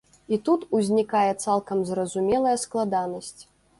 І тут узнікае цалкам зразумелая складанасць.